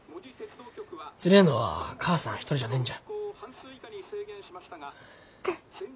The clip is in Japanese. つれえのは母さん一人じゃねえんじゃ。